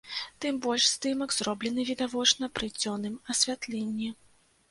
Тым больш здымак зроблены, відавочна, пры дзённым асвятленні.